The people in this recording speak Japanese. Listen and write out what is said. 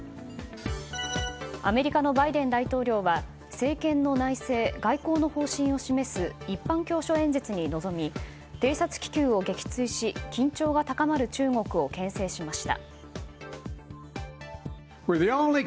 アメリカのバイデン大統領は政権の内政・外交の方針を示す一般教書演説に臨み偵察気球を撃墜し緊張が高まる中国を牽制しました。